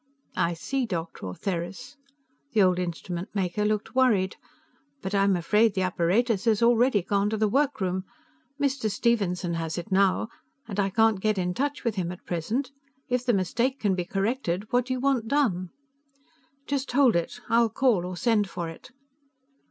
"I see, Dr. Ortheris." The old instrument maker looked worried. "But I'm afraid the apparatus has already gone to the workroom. Mr. Stephenson has it now, and I can't get in touch with him at present. If the mistake can be corrected, what do you want done?" "Just hold it; I'll call or send for it."